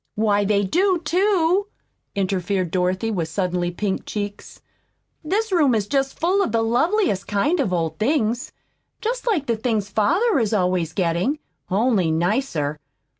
"Why, they do, too," interfered Dorothy, with suddenly pink cheeks. "This room is just full of the loveliest kind of old things, just like the things father is always getting only nicer.